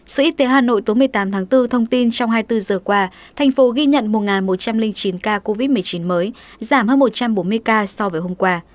sở y tế hà nội tối một mươi tám tháng bốn thông tin trong hai mươi bốn giờ qua thành phố ghi nhận một một trăm linh chín ca covid một mươi chín mới giảm hơn một trăm bốn mươi ca so với hôm qua